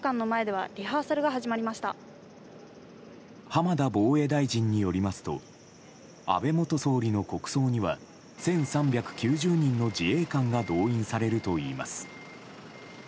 浜田防衛大臣によりますと安倍元総理の国葬には１３９０人の自衛官が動員されるといいます。